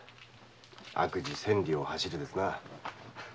「悪事千里を走る」ですな。